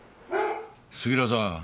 杉浦さん。